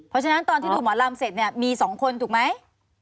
เพราะฉะนั้นตอนที่ดูหมอลำเสร็จเนี่ยมี๒คนถูกไหม